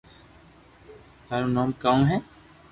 ٿارو نوم ڪاؤ ھي